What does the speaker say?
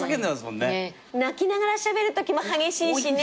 泣きながらしゃべるときも激しいしね。